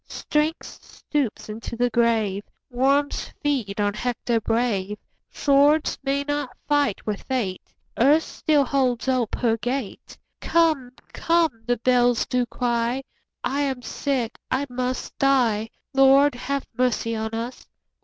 Strength stoops unto the grave, Worms feed on Hector brave; Swords may not fight with fate; Earth still holds ope her gate; 25 Come, come! the bells do cry; I am sick, I must die— Lord, have mercy on us!